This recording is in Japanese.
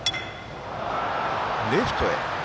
レフトへ。